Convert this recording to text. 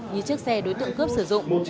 như chiếc xe đối tượng cướp sử dụng